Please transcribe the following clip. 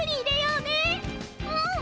うん！